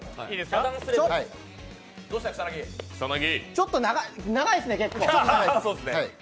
ちょっと長いっすね、結構。